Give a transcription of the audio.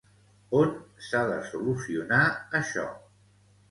On s'ha de solucionar això?